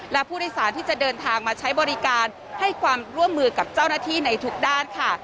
และผู้โดยสารที่จะเดินทางมาใช้บริการให้ความร่วมมือกับเจ้าหน้าที่ในทุกด้านค่ะ